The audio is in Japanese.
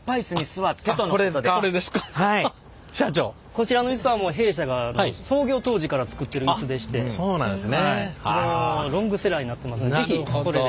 こちらのイスは弊社が創業当時から作ってるイスでしてもうロングセラーになってますんで是非これで。